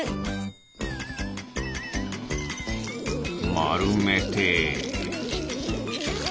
まるめて。